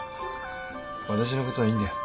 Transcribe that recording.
私のことはいいんだよ。